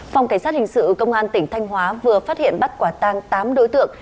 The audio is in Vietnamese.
phòng cảnh sát hình sự công an tỉnh thanh hóa vừa phát hiện bắt quả tang tám đối tượng